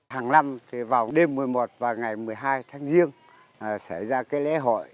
hàng năm thì vào đêm một mươi một và ngày một mươi hai tháng giêng xảy ra lễ hội